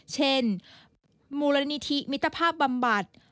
เช่นมูลนิธิมิตรภาพบำบัด